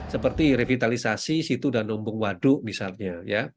seperti revitalisasi situ dan umbung waduk misalnya